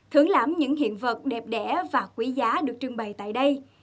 thưởng lãm những hiện vật đẹp đẽ và quý giá được trưng bày tại đây